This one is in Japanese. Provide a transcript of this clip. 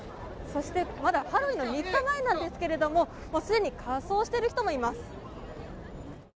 そしてまだハロウィーンの３日前なんですけれども、既に仮装している人もいます。